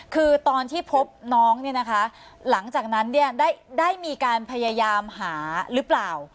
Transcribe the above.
คือตอนที่พบน้องเนี่ยนะคะหลังจากนั้นเนี่ยได้มีการพยายามหาหรือเปล่า